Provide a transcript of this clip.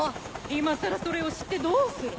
今更それを知ってどうする？